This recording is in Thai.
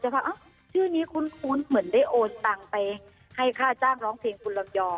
ว่าชื่อนี้คุ้นเหมือนได้โอนตังไปให้ค่าจ้างร้องเพลงคุณลำยอง